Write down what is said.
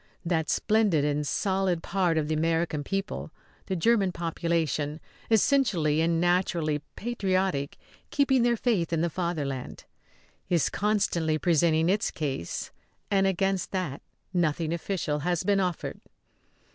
That splendid and solid part of the American people, the German population, essentially and naturally patriotic, keeping their faith in the Fatherland, is constantly presenting its case; and against that nothing official has been offered.